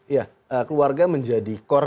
ya keluarga menjadi core dari keluarga